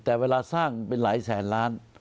แต่เวลาสร้างเป็นหลายแสนล้าน